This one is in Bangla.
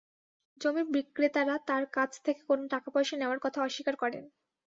জমির বিক্রেতারা তাঁর কাছ থেকে কোনো টাকাপয়সা নেওয়ার কথা অস্বীকার করেন।